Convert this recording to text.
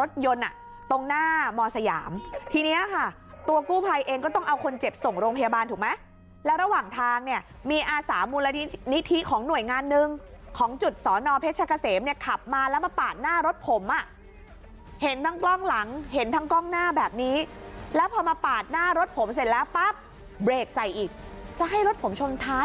รถยนต์อ่ะตรงหน้ามสยามทีเนี้ยค่ะตัวกู้ภัยเองก็ต้องเอาคนเจ็บส่งโรงพยาบาลถูกไหมแล้วระหว่างทางเนี่ยมีอาสามูลนิธิของหน่วยงานหนึ่งของจุดสอนอเพชรกะเสมเนี่ยขับมาแล้วมาปาดหน้ารถผมอ่ะเห็นทั้งกล้องหลังเห็นทั้งกล้องหน้าแบบนี้แล้วพอมาปาดหน้ารถผมเสร็จแล้วปั๊บเบรกใส่อีกจะให้รถผมชนท้าย